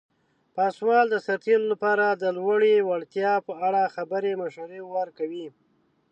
پاسوال د سرتیرو لپاره د لوړې وړتیا په اړه خپل مشورې ورکوي.